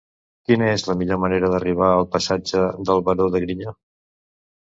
Quina és la millor manera d'arribar al passatge del Baró de Griñó?